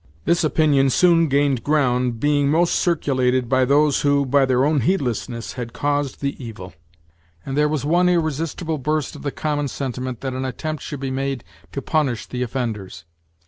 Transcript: This opinion soon gained ground, being most circulated by those who, by their own heedlessness, had caused the evil; and there was one irresistible burst of the common sentiment that an attempt should be made to punish the offenders.